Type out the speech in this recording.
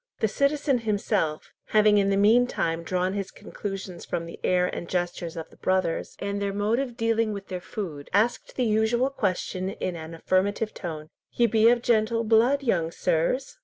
The citizen himself, having in the meantime drawn his conclusions from the air and gestures of the brothers, and their mode of dealing with their food, asked the usual question in an affirmative tone, "Ye be of gentle blood, young sirs?"